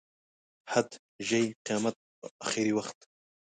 حد، ژۍ، قیامت، اخري وخت.